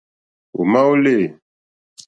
Ò má ó lê.